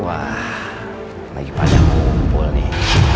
wah lagi panjang kumpul nih